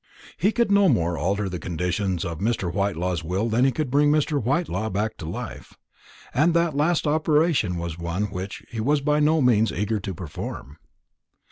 He could no more alter the conditions of Mr. Whitelaw's will than he could bring Mr. Whitelaw back to life and that last operation was one which he was by no means eager to perform.